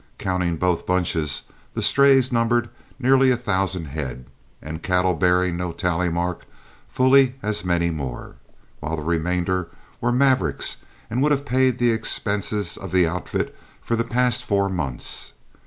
Counting both bunches, the strays numbered nearly a thousand head, and cattle bearing no tally mark fully as many more, while the remainder were mavericks and would have paid the expenses of the outfit for the past four months.